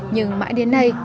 nhưng mãi đến nay